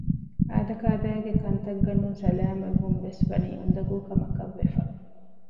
އާދަކާދައިގެ ކަންތައްގަނޑުން ސަލާމަތްވުންވެސް ވަނީ އުނދަގޫ ކަމަކަށް ވެފަ